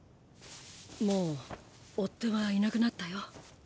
もう追っ手はいなくなったよ。